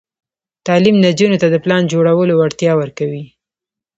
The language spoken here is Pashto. تعلیم نجونو ته د پلان جوړولو وړتیا ورکوي.